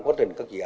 quý thưa quý